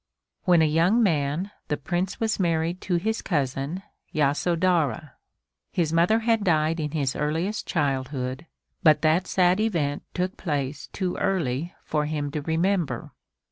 When a young man the Prince was married to his cousin Yasodhara. His mother had died in his earliest childhood, but that sad event took place too early for him to remember.